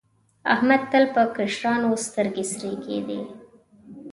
احمد تل پر کشرانو سترګې سرې کېدې.